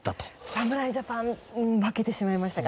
侍ジャパン負けてしまいましたか。